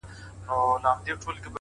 زه درسره ومه; خو ته راسره نه پاته سوې;